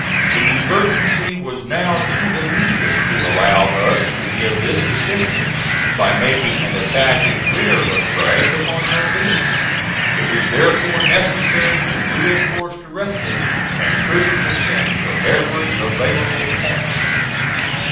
The emergency was now too immediate to allow us to give this assistance by making an attack in rear of Bragg upon Mobile. It was therefore necessary to reinforce directly, and troops were sent from every available point.